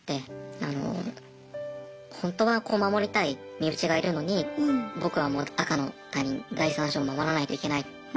あのホントは守りたい身内がいるのに僕は赤の他人第三者を守らないといけない。